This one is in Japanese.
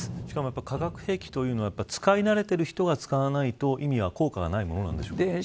しかも、化学兵器というのは使い慣れている人が使わないと効果がないものなんでしょうか。